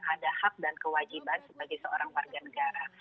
ada hak dan kewajiban sebagai seorang warga negara